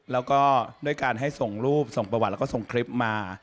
แล้วก็ด้วยการให้ส่งรูปส่งประวัติแล้วก็ส่งคลิปมา